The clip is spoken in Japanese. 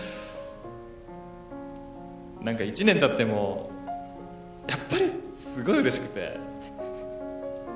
何か１年たってもやっぱりすごいうれしくて。